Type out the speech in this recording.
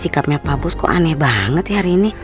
sikapnya pak bus kok aneh banget ya hari ini